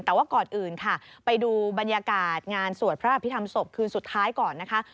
แต่ว่าก่อนอื่นค่ะไปดูบรรยากาศงานสวดพระอภิษฐรรศพคืนสุดท้ายก่อนนะคะ